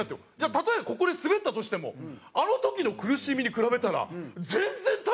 たとえここでスベったとしてもあの時の苦しみに比べたら全然大した事ないんですよ。